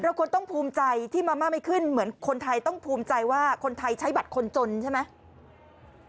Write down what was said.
คนต้องภูมิใจที่มาม่าไม่ขึ้นเหมือนคนไทยต้องภูมิใจว่าคนไทยใช้บัตรคนจนใช่ไหม